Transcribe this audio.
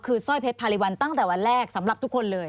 คือสร้อยเพชรพาริวัลตั้งแต่วันแรกสำหรับทุกคนเลย